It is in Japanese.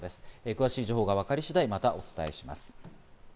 詳しい情報がわかり次第またお伝えします。